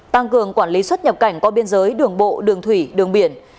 tăng cường quản lý xuất nhập cảnh qua biên giới đường bộ đường thủy đường biển